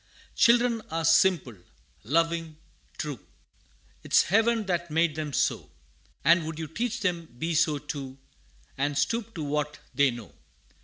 Children are simple loving true; 'Tis Heaven that made them so; And would you teach them be so too And stoop to what they know.